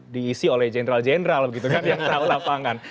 diisi oleh jenderal jenderal gitu kan yang tahu lapangan